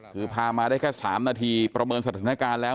คือพามาได้แค่๓นาทีประเมินสถานการณ์แล้ว